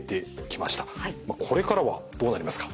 これからはどうなりますか？